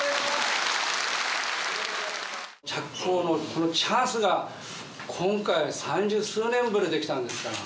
着工のこのチャンスが今回三十数年ぶりにできたんですから。